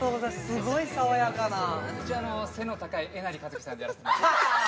すごい爽やかな一応あの背の高いえなりかずきさんでやらせてもらってます